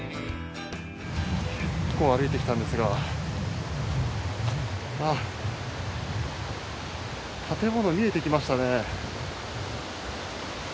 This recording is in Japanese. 結構歩いてきたんですがあっ建物見えてきましたね。